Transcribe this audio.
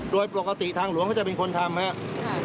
โดยปกติทางหลวงเขาจะเป็นคนทำครับ